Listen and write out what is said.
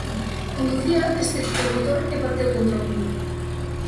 Conducía este ciclomotor e bateu contra un muro.